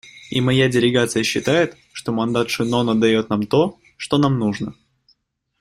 И моя делегация считает, что мандат Шеннона дает нам то, что нам нужно.